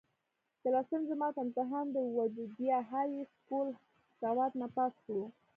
د لسم جمات امتحان د ودوديه هائي سکول سوات نه پاس کړو